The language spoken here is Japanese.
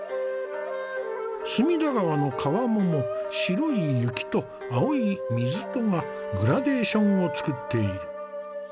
隅田川の川面も白い雪と青い水とがグラデーションを作っている。